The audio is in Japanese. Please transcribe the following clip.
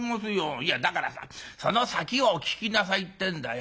いやだからさその先をお聞きなさいってんだよ。